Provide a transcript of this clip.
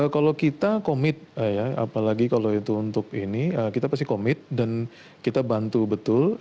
kalau kita komit apalagi kalau itu untuk ini kita pasti komit dan kita bantu betul